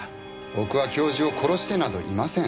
僕は教授を殺してなどいません。